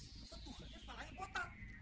tapi tuhannya kepala nya botak